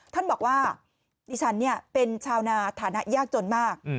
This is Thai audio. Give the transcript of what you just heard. ท่านบอกว่าดิฉันเป็นชาวนาฐานะยากจนมาก